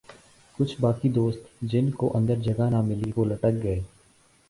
کچھ باقی دوست جن کو اندر جگہ نہ ملی وہ لٹک گئے ۔